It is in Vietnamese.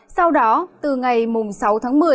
sau đó từ ngày sáu tháng một mươi